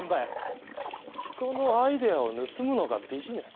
人のアイデアを盗むのがビジネス？